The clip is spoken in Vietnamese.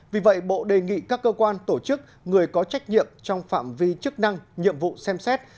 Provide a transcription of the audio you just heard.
vì vậy bộ đề nghị các cơ quan tổ chức người có trách nhiệm trong phạm vi chức năng nhiệm vụ xem xét